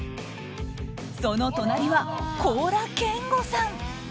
その隣は高良健吾さん。